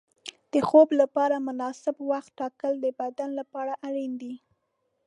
د خوب لپاره مناسب وخت ټاکل د بدن لپاره اړین دي.